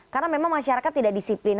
karena memang masyarakat tidak disiplin